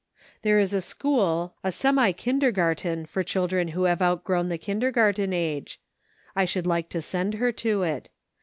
"There is a school, a semi Kindergarten for children who have outgrown the Kindergarten age ; I should like to send her to it.